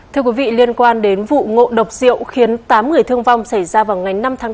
thưa quý vị liên quan đến vụ ngộ độc rượu khiến tám người thương vong xảy ra vào ngày năm tháng năm